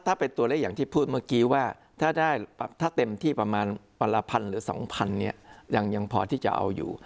ถ้าเป็นตัวเลขอย่างที่พูดเมื่อกี้ว่าถ้าได้ถ้าเต็มที่ประมาณวันละพันหรือ๒๐๐เนี่ยยังพอที่จะเอาอยู่